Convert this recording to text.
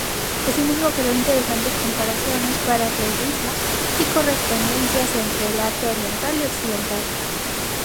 Asimismo, creó interesantes comparaciones, paralelismos y correspondencias entre el arte oriental y el occidental.